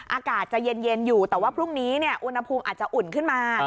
อากาศจะเย็นอยู่แต่ว่าพรุ่งนี้อุณหภูมิอาจจะอุ่นขึ้นมา